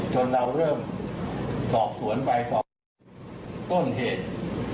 จนเราเริ่มสอบสวนใบต้นเหตุ